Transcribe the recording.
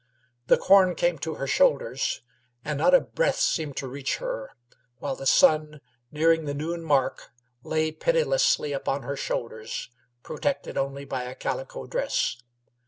The corn came to her shoulders, and not a breath seemed to reach her, while the sun, nearing the noon mark, lay pitilessly upon her shoulders, protected only by a calico dress.